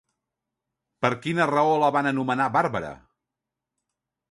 Per quina raó la van anomenar Bàrbara?